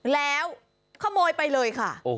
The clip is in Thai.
แล้วขโมยไปเลยค่ะ